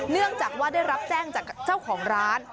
เนื่องจากว่าได้รับแจ้งจากเจ้าของร้าน